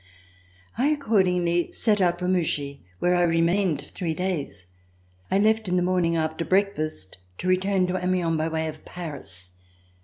I accordingly set out for Mouchy where I remained three days. I left in the morning after breakfast to return to Amiens by way of Paris.